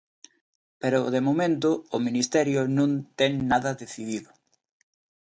Pero, de momento, o Ministerio non ten nada decidido.